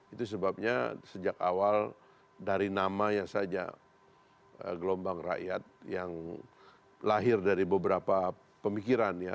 itu sebabnya sejak awal dari namanya saja gelombang rakyat yang lahir dari beberapa pemikiran ya